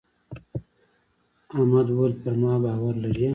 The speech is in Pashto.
احمد وويل: پر ما باور لرې.